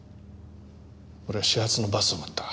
俺は始発のバスを待った。